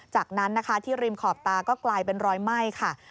จากนั้นนะคะที่ริมขอบตาก็กลายเป็นรอยไหม้ค่ะ